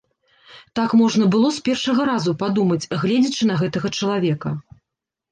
Так можна было з першага разу падумаць, гледзячы на гэтага чалавека.